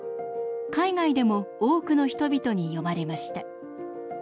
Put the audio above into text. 海外でも多くの人々に読まれました。